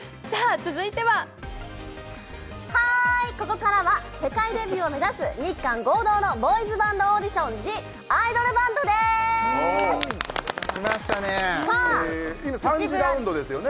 続いてははいここからは世界デビューを目指す日韓合同のボーイズバンドオーディション「ＴＨＥＩＤＯＬＢＡＮＤ」ですきましたね